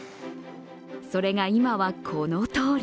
それが今はこのとおり。